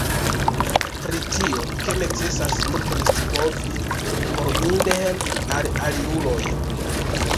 Pri tio, ke necesas multon scipovi, por inde helpi al aliuloj.